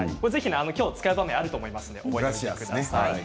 今日、使う場面があると思いますので覚えてください。